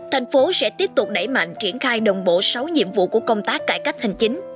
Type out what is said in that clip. thành phố sẽ tiếp tục đẩy mạnh triển khai đồng bộ sáu nhiệm vụ của công tác cải cách hành chính